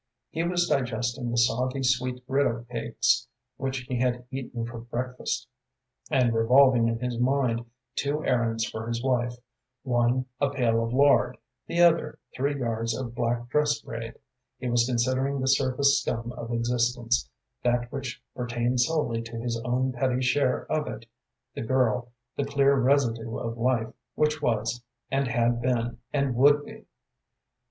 He was digesting the soggy, sweet griddle cakes which he had eaten for breakfast, and revolving in his mind two errands for his wife one, a pail of lard; the other, three yards of black dress braid; he was considering the surface scum of existence, that which pertained solely to his own petty share of it; the girl, the clear residue of life which was, and had been, and would be.